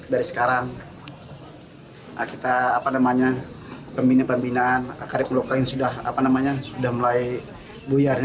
dari sekarang kita pemindahan pemindahan karir penolok kali ini sudah mulai buyar